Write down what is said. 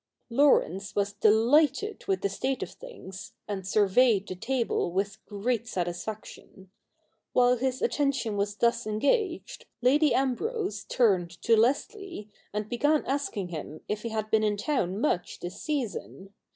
Laurence was delighted with the state of things, and surveyed the table with great satisfaction. Whilst his attention was thus engaged, Lady Ambrose turned to Leslie, and began asking him if he had been in town much this season.